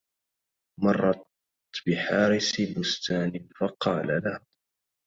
مرت بحارس بستان فقال لها